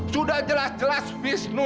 sudah jelas jelas wisnu